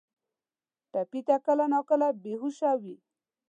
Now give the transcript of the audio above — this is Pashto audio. ټپي کله ناکله بې هوشه وي.